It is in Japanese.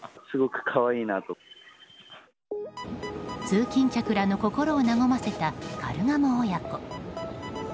通勤客らの心を和ませたカルガモ親子。